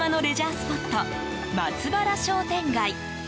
スポット松原商店街。